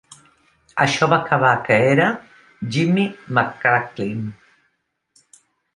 Això va acabar que era Jimmy McCracklin.